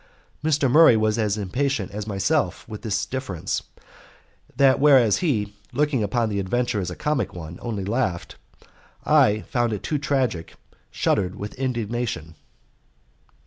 Mr. Murray was as impatient as myself, with this difference, that whereas he, looking upon the adventure as a comic one, only laughed, I who found it too tragic shuddered with indignation.